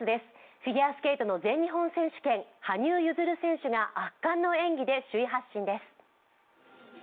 フィギュアスケートの全日本選手権羽生結弦選手が圧巻の演技で首位発進です。